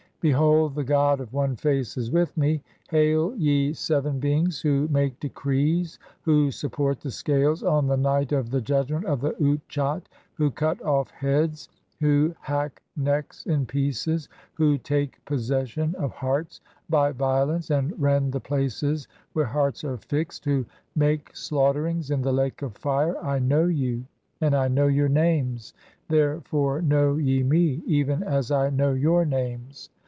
"Behold, the god of One Face is with me. Hail, ye seven "beings who make decrees, who (17) support the Scales on the "night of the judgment of the Utchat, who cut off heads, who "hack necks in pieces, who take possession of hearts by violence "and rend the places (18) where hearts are fixed, who make "slaughterings in the Lake of Fire, I know you and I know "your names, therefore know ye me even as (19) I know your "names.